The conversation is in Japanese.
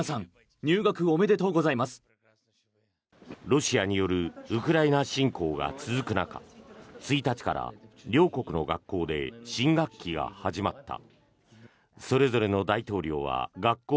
ロシアによるウクライナ侵攻が続く中１日から両国の学校で新学期が始まった。